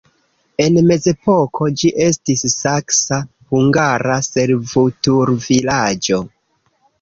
En mezepoko ĝi estis saksa-hungara servutulvilaĝo.